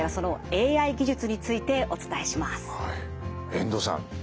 遠藤さん